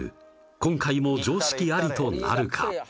今回も常識ありとなるか？